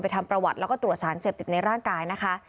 ทำประวัติแล้วก็ตรวจสารเสพติดในร่างกายนะคะ